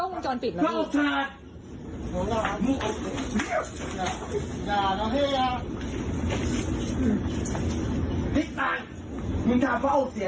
พระอุธท่านดูอุตสรรค์มึงไม่เกี่ยวแหละครับ